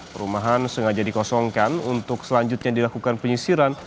perumahan sengaja dikosongkan untuk selanjutnya dilakukan penyisiran